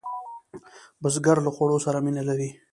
بزګر له خوړو سره مینه لري